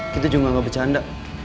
kita juga gak bercanda